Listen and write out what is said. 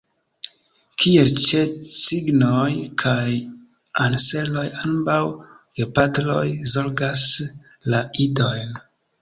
Kiel ĉe cignoj kaj anseroj ambaŭ gepatroj zorgas la idojn.